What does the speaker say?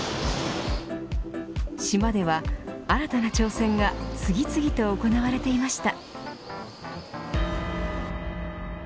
島では新たな挑戦が次々と行われていました。